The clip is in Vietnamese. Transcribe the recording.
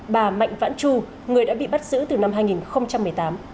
bà mạnh vãn chu người đã bị bắt giữ từ năm hai nghìn một mươi tám